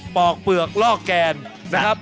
อกเปลือกล่อแกนนะครับ